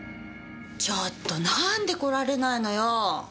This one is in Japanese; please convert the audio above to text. ちょっとなんで来られないのよぉ！